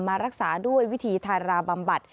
มารักษาด้วยวิธีทาราบำบัด